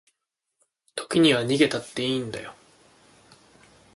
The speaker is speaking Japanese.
時には逃げたっていいんだよ